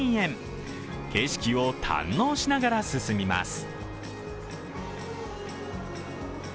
景色を堪能しながら進みます。